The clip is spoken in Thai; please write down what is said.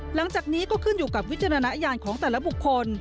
หลังจากนี้ก็ขึ้นอยู่กับวิจารณญาณของแต่ละบุคคล